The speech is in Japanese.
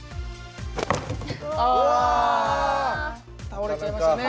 倒れちゃいましたね。